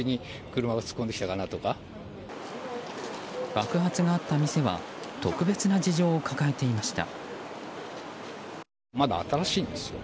爆発があった店は特別な事情を抱えていました。